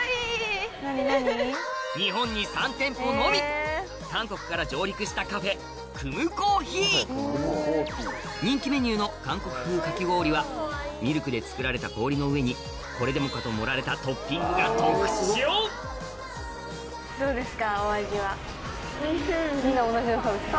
続いて韓国から上陸したカフェ人気メニューの韓国風かき氷はミルクで作られた氷の上にこれでもかと盛られたトッピングが特徴お味は。